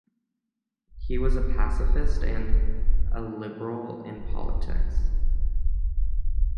He was a pacifist and a Liberal in politics.